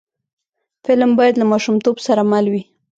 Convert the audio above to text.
فلم باید له ماشومتوب سره مل وي